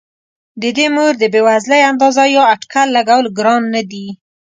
د دې مور د بې وزلۍ اندازه یا اټکل لګول ګران نه دي.